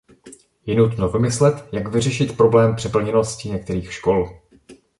Je nutno vymyslet, jak vyřešit problém přeplněnosti některých škol.